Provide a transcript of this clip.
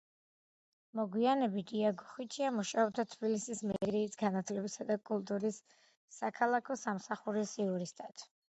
მოგვიანებით იაგო ხვიჩია მუშაობდა თბილისის მერიის, განათლებისა და კულტურის საქალაქო სამსახურის იურისტად.